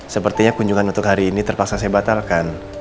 sepertinya kunjungan untuk hari ini terpaksa saya batalkan